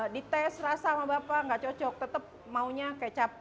dites rasa sama bapak gak cocok tetep maunya kecap